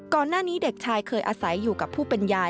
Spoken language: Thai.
ก่อนหน้านี้เด็กชายเคยอาศัยอยู่กับผู้เป็นยาย